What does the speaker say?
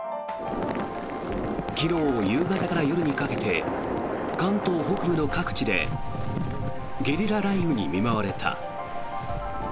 昨日夕方から夜にかけて関東北部の各地でゲリラ雷雨に見舞われた。